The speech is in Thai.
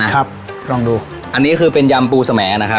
นะครับครับลองดูอันนี้ก็คือเป็นยำปูสะแหมนะครับ